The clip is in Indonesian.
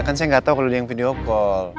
kan saya gak tau kalo dia yang video call